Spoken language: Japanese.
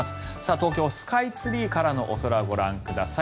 東京スカイツリーからのお空ご覧ください。